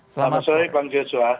selamat sore bang joshua